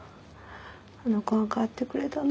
あの子が変わってくれたの。